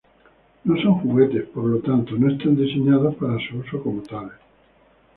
No son juguetes, por lo tanto no están diseñados para su uso como tales.